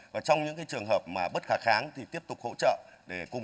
và trong những cái trường hợp mà bất khả kháng thì tiếp tục hỗ trợ để cùng